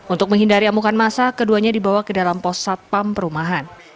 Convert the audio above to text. untuk menghindari amukan masa keduanya dibawa ke dalam pos satpam perumahan